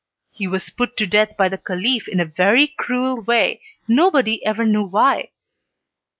He was put to death by the Caliph in a very cruel way, nobody ever knew why.